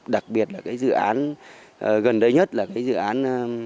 đặc biệt là cái dự án gần đây nhất là cái dự án ba trăm hai mươi bảy